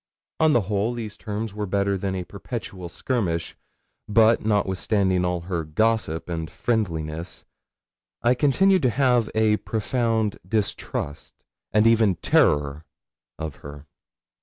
On the whole, these terms were better than a perpetual skirmish; but, notwithstanding all her gossip and friendliness, I continued to have a profound distrust and even terror of her.